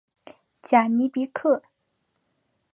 贾尼别克。